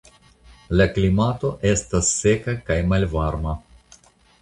La klimato estas seka kaj malvarma.